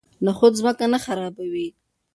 نخود ځمکه نه خرابوي.